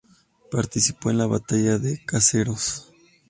Participó en la batalla de Caseros.